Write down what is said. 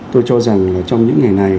tôi cho rằng là trong những ngày này